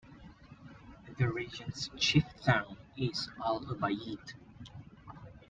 The region's chief town is Al-Ubayyid.